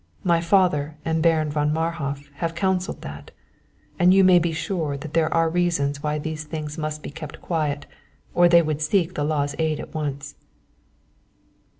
My father and Baron von Marhof have counseled that, and you may be sure there are reasons why these things must be kept quiet, or they would seek the law's aid at once."